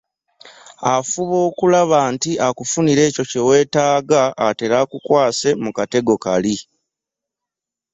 Afuba okulaba nti akufunira ekyo kyeweetaaga atere akukwase mu “katego kali”.